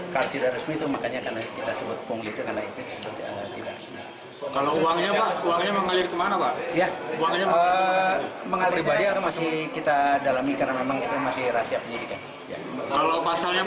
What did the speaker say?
kalau pasalnya bisa dukung mati atau seperti apa